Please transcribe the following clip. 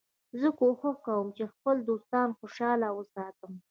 زه کوښښ کوم چي خپل دوستان خوشحاله وساتم.